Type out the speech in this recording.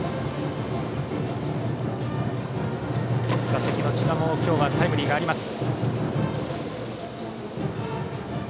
打席の千田も今日はタイムリーがあります。